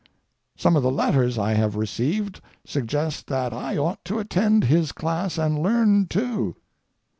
Some of the letters I have received suggest that I ought to attend his class and learn, too.